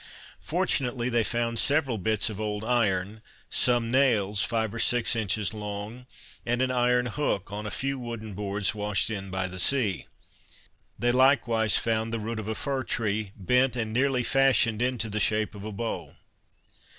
Fortunately they found several bits of old iron, some nails, five or six inches long, and an iron hook, on a few wooden boards washed in by the sea. They likewise found the root of a fir tree, bent and nearly fashioned into the shape of a bow.